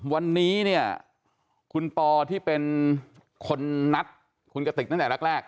วันนี้เนี่ยคุณปอที่เป็นคนนัดคุณกติกตั้งแต่แรก